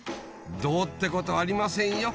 どうってことありませんよ